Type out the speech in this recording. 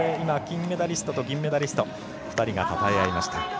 金メダリストと銀メダリスト２人がたたえ合いました。